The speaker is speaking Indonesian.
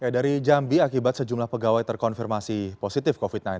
dari jambi akibat sejumlah pegawai terkonfirmasi positif covid sembilan belas